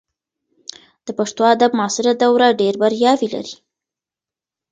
د پښتو ادب معاصره دوره ډېر بریاوې لري.